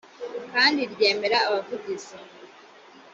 kandi ryemera abavugizi